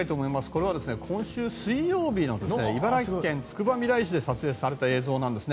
これは今週水曜日の茨城県つくばみらい市で撮影された映像です。